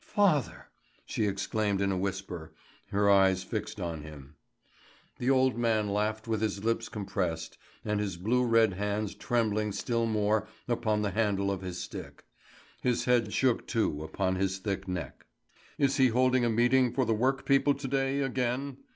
"Father!" she exclaimed in a whisper, her eyes fixed on him. The old man laughed with his lips compressed and his blue red hands trembling still more upon the handle of his stick. His head shook too upon his thin neck. "Is he holding a meeting for the workpeople to day again?"